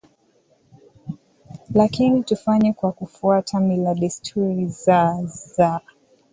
lakini tufanye kwa kufuata mila desturi za za